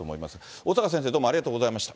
小坂先生、どうもありがとうございました。